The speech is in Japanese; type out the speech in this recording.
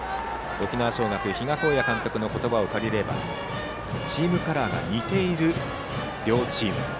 沖縄尚学の比嘉公也監督の言葉を借りればチームカラーが似ている両チーム。